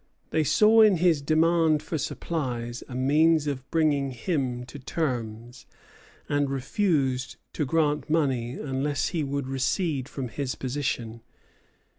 They saw in his demand for supplies a means of bringing him to terms, and refused to grant money unless he would recede from his position.